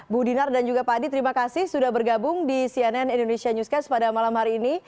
bu dinar dan juga pak adi terima kasih sudah bergabung di cnn indonesia newscast pada malam hari ini